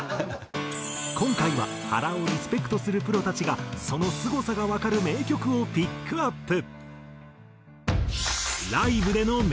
今回は原をリスペクトするプロたちがそのすごさがわかる名曲をピックアップ。